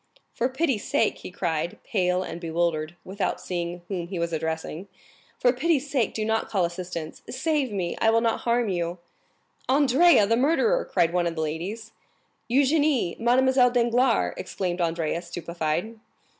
"For pity's sake," he cried, pale and bewildered, without seeing whom he was addressing,—"for pity's sake do not call assistance! Save me!—I will not harm you." "Andrea, the murderer!" cried one of the ladies. "Eugénie! Mademoiselle Danglars!" exclaimed Andrea, stupefied.